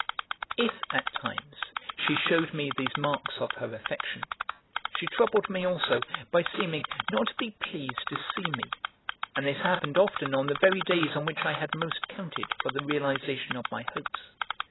If, at times, she shewed me these marks of her affection, she troubled me also by seeming not to be pleased to see me, and this happened often on the very days on which I had most counted for the realisation of my hopes.